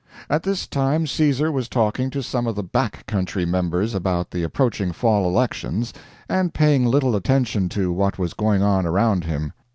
At this time Caesar was talking to some of the back country members about the approaching fall elections, and paying little attention to what was going on around him.